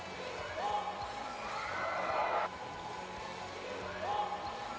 ทุกครับทุกคน